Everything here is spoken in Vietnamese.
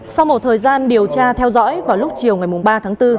sau một thời gian điều tra theo dõi vào lúc chiều ngày ba tháng bốn